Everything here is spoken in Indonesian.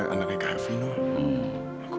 jangan mulai lagi